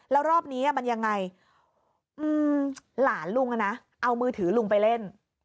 แล้วรอบนี้มันยังไงหลานลุงเอามือถือลุงไปเล่น